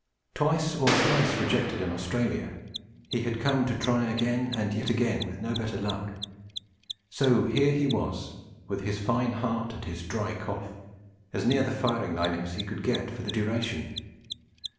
Twice or thrice rejected in Australia, he had come home to try again and yet again with no better luck; so here he was, with his fine heart and his dry cough, as near the firing line as he could get 'for the duration.'